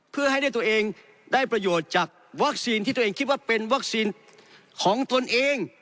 เพื่อให้ได้ตัวเองได้ประโยชน์จากวัคซีนที่ตัวเองคิดว่าเป็นวัคซีนของตนเอง